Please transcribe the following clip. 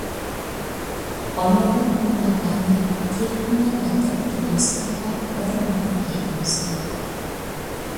ئايالىم بۇ ۋەقەنى تېلېفوندا ۋەتەندىكى دوستلىرىغا بىرمۇبىر يەتكۈزدى.